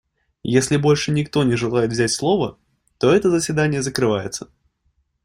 Если больше никто не желает взять слово, то это заседание закрывается.